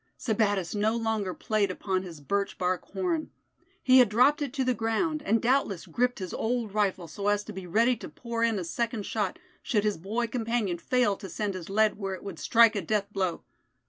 Sebattis no longer played upon his birch bark horn. He had dropped it to the ground, and doubtless gripped his old rifle so as to be ready to pour in a second shot, should his boy companion fail to send his lead where it would strike a death blow.